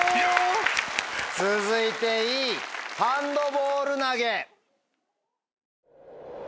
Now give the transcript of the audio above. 続いてＥハンドボール投げ。